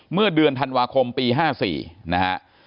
เมื่อเดือนธันวาคมปี๕๔นะฮะ